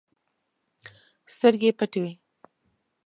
سترګې یې پټې وي.